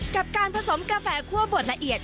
กับการผสมกาแฟคั่วบดละเอียด